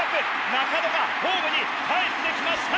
中野がホームにかえってきました！